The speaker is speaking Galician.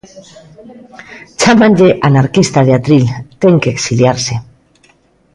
Chámanlle anarquista de atril, ten que exiliarse.